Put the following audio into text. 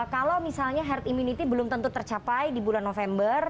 kalau misalnya herd immunity belum tentu tercapai di bulan november